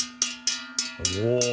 お！